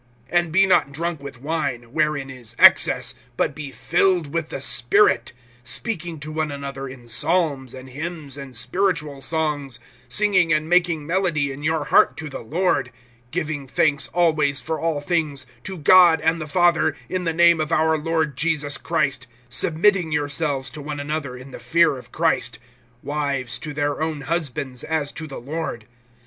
(18)And be not drunk with wine, wherein is excess, but be filled with the Spirit; (19)speaking to one another in psalms and hymns and spiritual songs, singing and making melody in your heart to the Lord; (20)giving thanks always for all things, to God and the Father, in the name of our Lord Jesus Christ; (21)submitting yourselves to one another in the fear of Christ; (22)wives to their own husbands, as to the Lord.